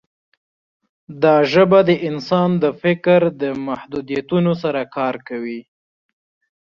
دا ژبه د انسان د فکر د محدودیتونو سره کار کوي.